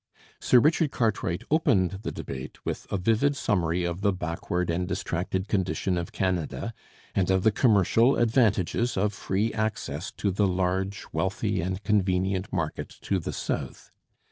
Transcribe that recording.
Sir Richard Cartwright opened the debate with a vivid summary of the backward and distracted condition of Canada, and of the commercial advantages of free access to the large, wealthy, and convenient market to the south.